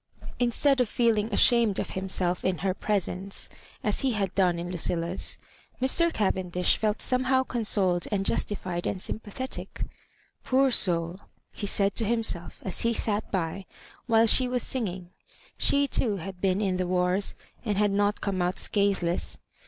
Instead of feeling ashamed of himself in her presence, as he hsid done in Lucilla's, Mr Cavendish felt somehow consoled and justified and sympathetic. "Poor soull^' he said to himself, as he sat bj while she was singing. She, too, had been in the wars, and had not come out scatheless.